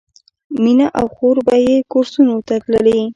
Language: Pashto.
مینه او خور به یې کورسونو ته تللې